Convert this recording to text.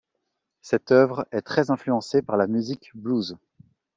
Cette œuvre est très influencée par la musique blues.